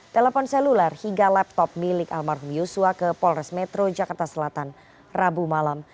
telepon seluler hingga laptop milik almarhum yusua ke polres metro jakarta selatan rabu malam